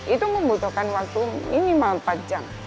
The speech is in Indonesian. itu membutuhkan waktu ini mah empat jam